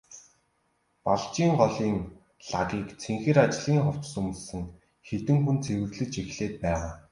Балжийн голын лагийг цэнхэр ажлын хувцас өмссөн хэдэн хүн цэвэрлэж эхлээд байгаа.